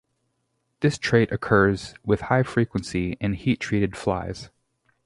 This trait occurs with high frequency in heat-treated flies.